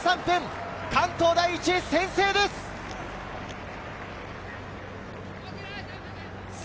前半１３分、関東第一先制です！